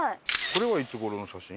これはいつ頃の写真？